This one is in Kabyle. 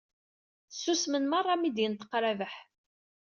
Ssusmen merra mi d-yenṭeq Rabaḥ.